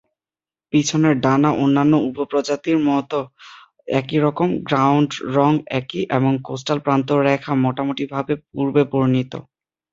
পিছনের ডানা অন্যান্য উপপ্রজাতির মত একইরকম, গ্রাউন্ড রঙ একই এবং কোস্টাল প্রান্তরেখা মোটামুটিভাবে পূর্বে বর্নিত।